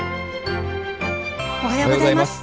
おはようございます。